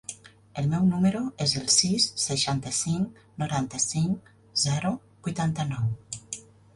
El meu número es el sis, seixanta-cinc, noranta-cinc, zero, vuitanta-nou.